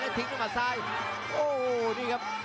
ทิ้งด้วยมัดซ้ายโอ้โหนี่ครับ